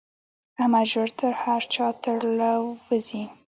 احمد ژر تر هر چا تر له وزي.